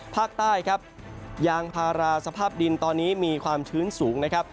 ภาคใต้ครับยางพาราสภาพดินตอนนี้มีความชื้นสูงนะครับ